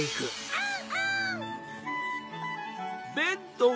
アン？